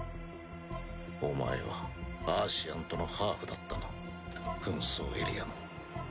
お前はアーシアンとのハーフだったな紛争エリアの。